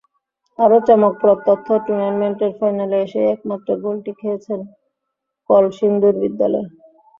আরও চমকপ্রদ তথ্য, টুর্নামেন্টের ফাইনালে এসেই একমাত্র গোলটি খেয়েছে কলসিন্দুর বিদ্যালয়।